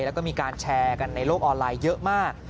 แล้วก็มีการแชร์กันในโลกออนไลน์เยอะมาก